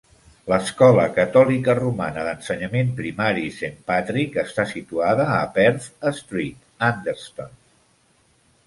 L"escola catòlica romana d"ensenyament primari Saint Patrick està situada a Perth Street, Anderston.